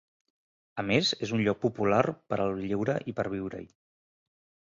A més, és un lloc popular per al lleure i per viure-hi.